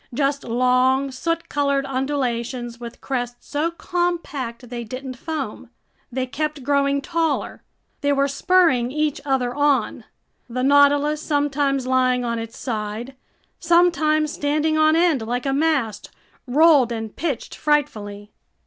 Just long, soot colored undulations with crests so compact they didn't foam. They kept growing taller. They were spurring each other on. The Nautilus, sometimes lying on its side, sometimes standing on end like a mast, rolled and pitched frightfully.